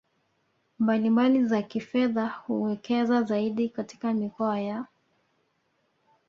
mbalimbali za kifedha kuwekeza zaidi katika mikoa ya